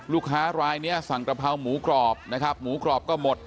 ลูกค้ารายนี้สั่งกระเพราหมูกรอบนะครับหมูกรอบก็หมด